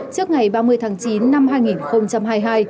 trước ngày ba mươi tháng chín năm hai nghìn hai mươi hai